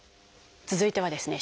続いてはですね